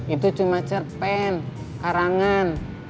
itu cuma cerpen karangan